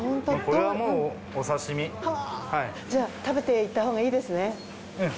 じゃあ食べていったほうがいいですね。